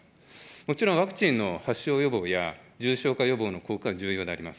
もちろん、ワクチンの発症予防や重症化予防の効果は重要であります。